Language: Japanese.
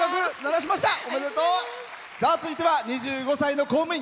続いては２５歳の公務員。